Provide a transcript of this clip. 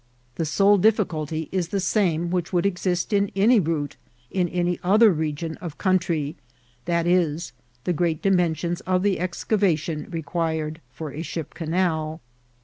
The sole difficulty is the same which would exist in any route in any other region of coun try, viz., the great dimensions of the excavation re* quired for a ship canal.